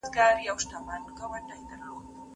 لویه جرګه کي د پرانستي پر مهال د ملي سرود ږغول ولي حتمي دي؟